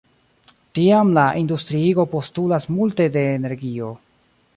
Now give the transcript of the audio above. Tiam la industriigo postulas multe de energio.